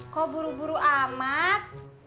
kok buru buru amat